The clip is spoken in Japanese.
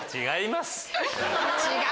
違います！